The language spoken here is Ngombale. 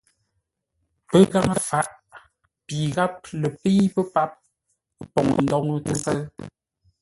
Pəghaŋə faʼ pi gháp lə pə́i pə́ páp pou ndóŋə́ tə́sə́ʉ.